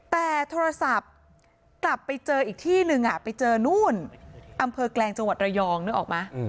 แต่โทรศัพท์กลับไปเจออีกที่หนึ่งไปเจอนู่นอำเภอแกลงจังหวัดระยองนึกออกไหม